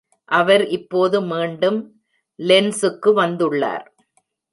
அவர் இப்போது மீண்டும் லென்ஸுக்கு வந்துள்ளார்.